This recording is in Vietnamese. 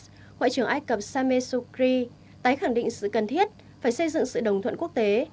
ngoại trưởng ai cập sameh sukri tái khẳng định sự cần thiết phải xây dựng sự đồng thuận quốc tế